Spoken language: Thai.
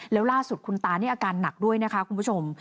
แล้วล่าสุดคุณตานี่อาการหนักด้วยนะคะคุณผู้ชม